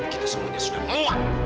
kita semuanya sudah muak